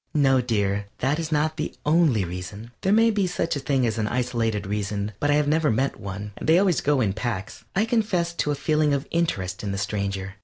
No, dear, that is not the only reason. There may be such a thing as an isolated reason, but I have never met one they always go in packs. I confess to a feeling of interest in the stranger.